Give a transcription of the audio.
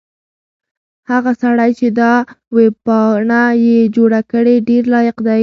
هغه سړی چې دا ویبپاڼه یې جوړه کړې ډېر لایق دی.